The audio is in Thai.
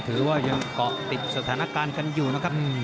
ถือว่ายังเกาะติดสถานการณ์กันอยู่นะครับ